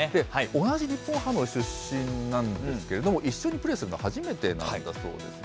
同じ日本ハム出身なんですけれども、一緒にプレーするのは初めてなんだそうですね。